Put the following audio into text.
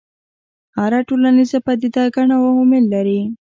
هره ټولنیزه پدیده ګڼ عوامل لري.